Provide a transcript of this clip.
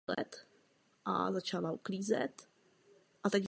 Žádné změny.